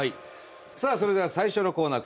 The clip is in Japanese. さあそれでは最初のコーナー。